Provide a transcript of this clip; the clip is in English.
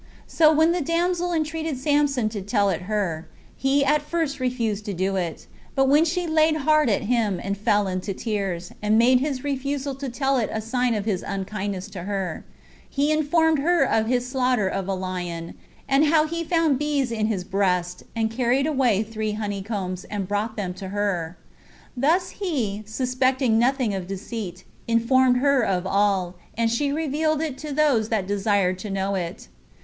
So when the damsel entreated Samson to tell it her, he at first refused to do it; but when she lay hard at him, and fell into tears, and made his refusal to tell it a sign of his unkindness to her, he informed her of his slaughter of a lion, and how he found bees in his breast, and carried away three honey combs, and brought them to her. Thus he, suspecting nothing of deceit, informed her of all, and she revealed it to those that desired to know it.